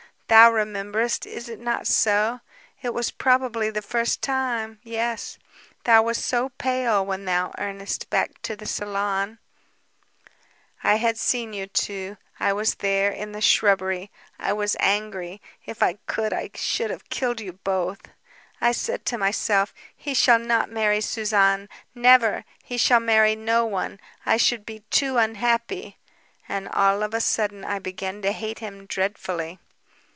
Thou rememberest, is it not so? It was probably the first time ... yes ... Thou wast so pale when thou earnest back to the salon. "I had seen you two; I was there, in the shrubbery. I was angry! If I could I should have killed you both! "I said to myself: 'He shall not marry Suzanne, never! He shall marry no one. I should be too unhappy.' And all of a sudden I began to hate him dreadfully.